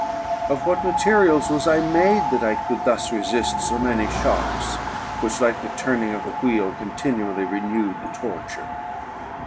Of what materials was I made, that I could thus resist so many shocks, which, like the turning of the wheel, continually renewed the torture?